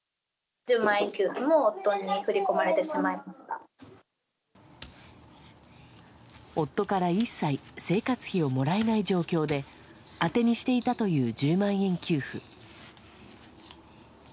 １０万円給付も夫に振り込ま夫から一切、生活費をもらえない状況で、当てにしていたという１０万円給付。